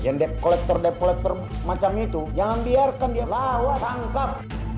yang depkolektor depkolektor macam itu jangan biarkan dia lawan tangkap